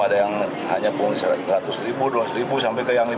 ada yang hanya pun seratus ribu dua ratus ribu sampai ke yang lima ratus